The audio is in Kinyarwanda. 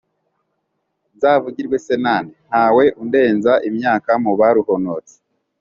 nzavugirwe se na nde ntawe undenza imyaka mu baruhonotse